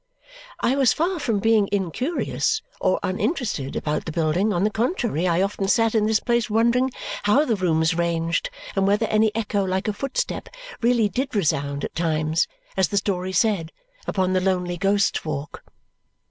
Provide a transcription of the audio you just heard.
I was far from being incurious or uninterested about the building; on the contrary, I often sat in this place wondering how the rooms ranged and whether any echo like a footstep really did resound at times, as the story said, upon the lonely Ghost's Walk.